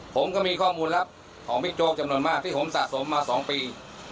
ผมก็มีข้อมูลลับของบิ๊กโจ๊กจำนวนมากที่ผมสะสมมา๒ปี